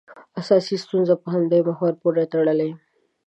اساسي ستونزه په همدې محور پورې تړلې.